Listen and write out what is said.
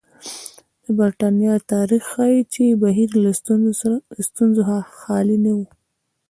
د برېټانیا تاریخ ښيي چې بهیر له ستونزو خالي نه و.